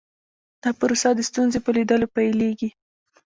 دا پروسه د ستونزې په لیدلو پیلیږي.